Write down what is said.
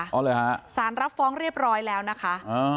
อ๋อเหรอคะศาลรับฟ้องเรียบร้อยแล้วนะคะ